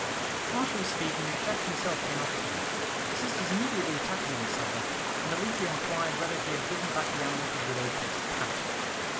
While she was speaking, Jack himself came up to them. The sisters immediately attacked him on the subject, and Alethea inquired whether he had driven back the animal to Widow Pitt's paddock.